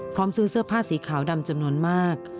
ซื้อเสื้อผ้าสีขาวดำจำนวนมาก